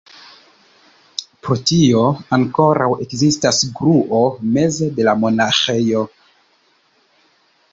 Pro tio ankoraŭ ekzistas gruo meze de la monaĥejo.